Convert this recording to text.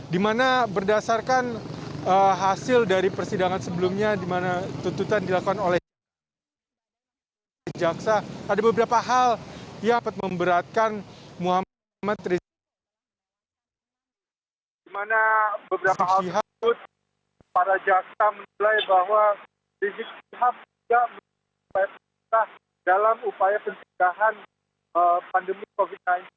dimana berdasarkan hasil dari persidangan sebelumnya dimana tuntutan dilakukan oleh jaksa ada beberapa hal yang memperberatkan muhammad rizik syihab